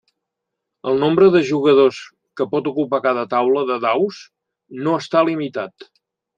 El nombre de jugadors que pot ocupar cada taula de daus no està limitat.